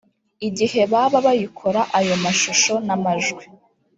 igihe baba bayikora ayo mashusho n amajwi